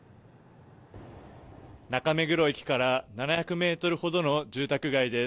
中目黒駅から７００ｍほどの住宅街です。